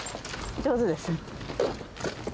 上手ですね。